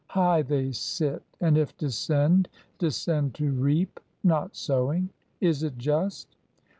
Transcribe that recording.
High they sit, and if descend, Descend to reap, not sowing. Is it just?